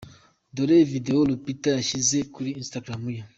Dore Video Lupita yashyize kuri Instagram ye.